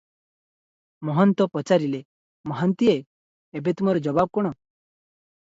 ମହନ୍ତ ପଚାରିଲେ, "ମହାନ୍ତିଏ! ଏବେ ତୁମର ଜବାବ କଣ?"